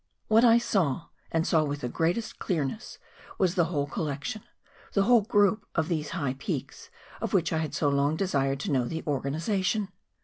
What I saw, and saw with the greatest clearness, was the whole collection, the whole group of these lugh peaks of which I had so long desired to know the organi¬ sation.